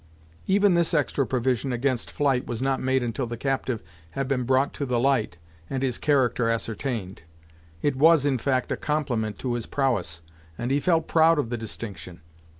Even this extra provision against flight was not made until the captive had been brought to the light, and his character ascertained. It was, in fact, a compliment to his prowess, and he felt proud of the distinction.